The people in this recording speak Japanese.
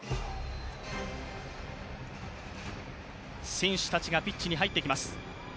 選手たちがピッチに入ってきます。